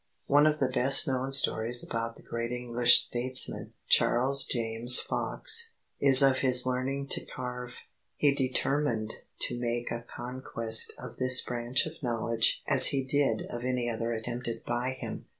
One of the best known stories about the great English statesman, Charles James Fox, is of his learning to carve. He determined to make a conquest of this branch of knowledge as he did of any other attempted by him.